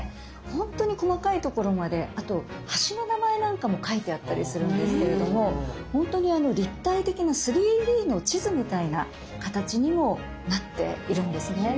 ほんとに細かいところまであと橋の名前なんかも書いてあったりするんですけれどもほんとに立体的な３Ｄの地図みたいな形にもなっているんですね。